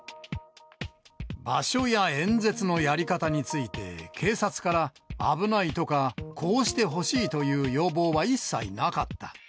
場所や演説のやり方について、警察から危ないとかこうしてほしいという要望は一切なかった。